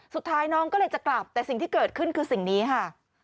สุดท้ายน้องก็เลยจะกลับแต่สิ่งที่เกิดขึ้นคือสิ่งนี้ค่ะ